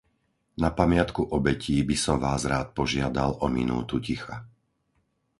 Na pamiatku obetí by som vás rád požiadal o minútu ticha.